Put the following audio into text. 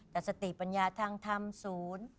แต่สติปัญญาทางธรรมศูนย์